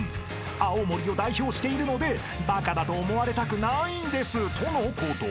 ［青森を代表しているので「バカだと思われたくないんです」とのこと］